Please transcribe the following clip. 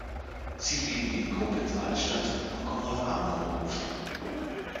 Sie liegen in Koblenz-Altstadt am Konrad-Adenauer-Ufer.